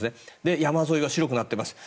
山沿いが白くなっています。